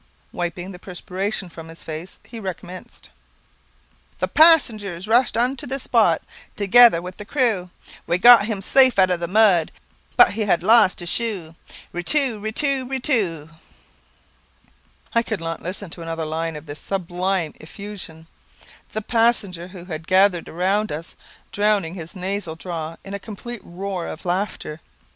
Wiping the perspiration from his face, he recommenced "The passengers rushed unto the spot, Together with the crew; We got him safe out of the mud, But he had lost his shoe. Ri, tu, ri, tu, ri, tu." I could not listen to another line of this sublime effusion, the passengers who had gathered around us drowning his nasal drawl in a complete roar of laughter.